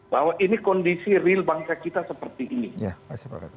bahwa ini kondisi real bangsa kita seperti ini